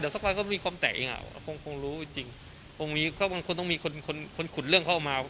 เดี๋ยวสักวันเขามีอ่ะผมผมรู้จริงผมมีเขาต้องมีคนคนคนขุดเรื่องเข้ามา